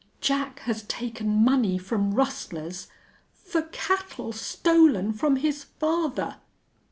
"Jack has taken money from rustlers _for cattle stolen from his father!